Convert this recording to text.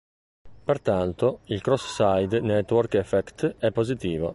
Pertanto, il cross-side network effect è positivo.